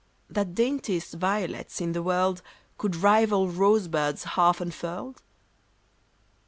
That daintiest violets in the world Could rival rose buds half unfurled?